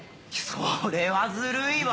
それはずるいわ！